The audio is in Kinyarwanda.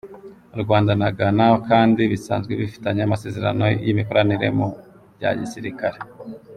U Rwanda na Ghana kandi bisanzwe bifitanye amasezerano y’imikoranire mu bya gisirikare.